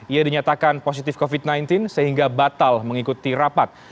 ia dinyatakan positif covid sembilan belas sehingga batal mengikuti rapat